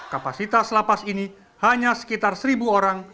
kapasitas lapas ini hanya sekitar seribu orang